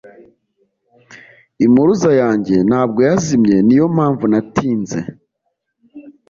Impuruza yanjye ntabwo yazimye Niyo mpamvu natinze